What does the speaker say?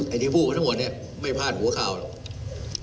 ที่พูดมาทั้งหมดเนี่ยไม่พลาดหัวข่าวหรอก